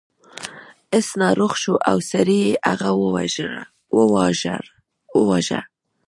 اس ناروغ شو او سړي هغه وواژه.